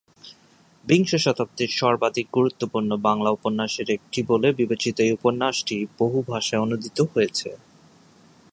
বিংশ শতাব্দীর সর্বাধিক গুরুত্বপূর্ণ বাংলা উপন্যাসের একটি বলে বিবেচিত এই উপন্যাসটি বহুভাষায় অনূদিত হয়েছে।